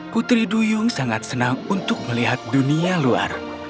putri duyung sangat senang untuk melihat dunia luar